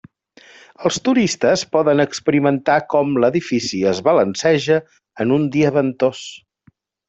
Els turistes poden experimentar com l'edifici es balanceja en un dia ventós.